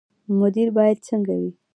مدیر باید څنګه وي؟